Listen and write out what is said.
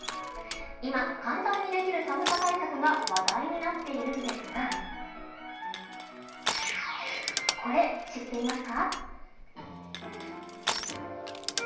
今、簡単にできる寒さ対策が話題になっているんですがこれ知っていますか。